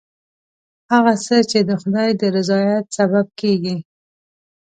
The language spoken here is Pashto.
هغه څه چې د خدای د رضایت سبب کېږي.